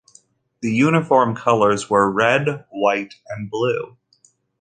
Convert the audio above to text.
The uniform colors were red, white, and blue.